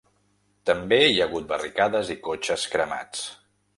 També hi ha hagut barricades i cotxes cremats.